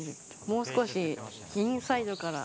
もう少し、インサイドから。